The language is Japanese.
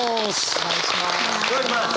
お願いします！